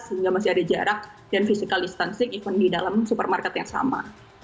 sehingga masih ada jarak dan physical distancing even di dalam supermarket yang sama